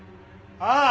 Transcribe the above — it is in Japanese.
ああ！